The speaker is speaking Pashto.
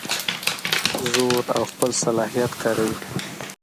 زور او خپل صلاحیت کاروي.